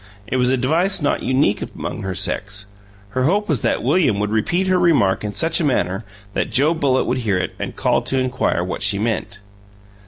It was a device not unique among her sex; her hope was that William would repeat her remark in such a manner that Joe Bullitt would hear it and call to inquire what she meant.